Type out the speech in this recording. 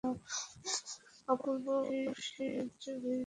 অপূর্ব শৌর্য-বীর্য দেখিয়ে তিনি যুদ্ধ করলেন।